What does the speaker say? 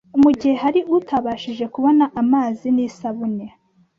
Mu gihe hari utabashije kubona amazi n’isabune